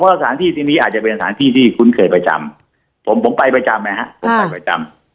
เพราะสถานที่ที่นี้อาจจะเป็นสถานที่ที่คุ้นเคยประจำผมผมไปประจำไหมฮะผมไปประจำ